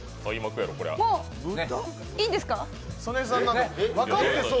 もう、いいんですか？